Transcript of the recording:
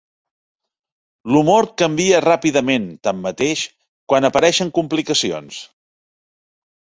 L'humor canvia ràpidament, tanmateix, quan apareixen complicacions.